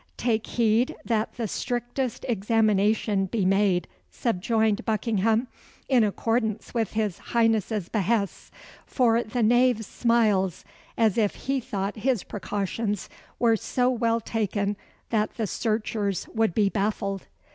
"Take heed that the strictest examination be made," subjoined Buckingham, "in accordance with his Highness's behests for the knave smiles, as if he thought his precautions were so well taken that the searchers would be baffled."